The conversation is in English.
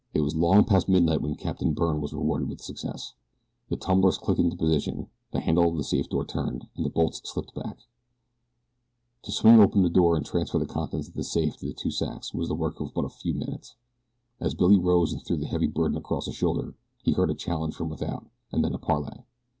It was long past midnight when Captain Byrne was rewarded with success the tumblers clicked into position, the handle of the safe door turned and the bolts slipped back. To swing open the door and transfer the contents of the safe to the two sacks was the work of but a few minutes. As Billy rose and threw the heavy burden across a shoulder he heard a challenge from without, and then a parley.